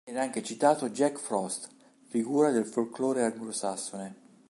Viene anche citato Jack Frost, figura del folklore anglosassone.